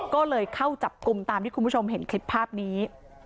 ก็เลยเข้าจับกลุ่มตามที่คุณผู้ชมเห็นคลิปภาพนี้